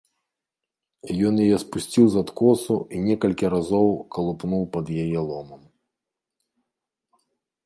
Ён яе спусціў з адкосу і некалькі разоў калупнуў пад яе ломам.